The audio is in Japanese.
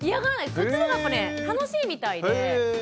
そっちのほうがやっぱね楽しいみたいで。